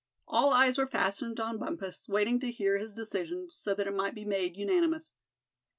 All eyes were fastened on Bumpus, waiting to hear his decision, so that it might be made unanimous.